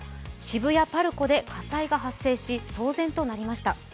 渋谷ＰＡＲＣＯで火災が発生し騒然となりました。